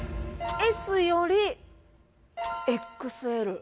ＳよりＸＬ